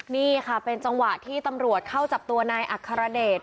นี่ค่ะเป็นจังหวะที่ตำรวจเข้าจับตัวนายอัครเดช